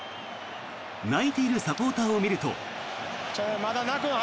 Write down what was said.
泣いているサポーターを見ると。